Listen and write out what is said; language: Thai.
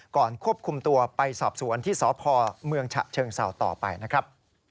ควบคุมตัวไปสอบสวนที่สพเมืองฉะเชิงเศร้าต่อไปนะครับ